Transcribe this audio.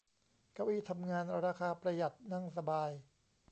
เก้าอี้ทำงานราคาประหยัด นั่งสบาย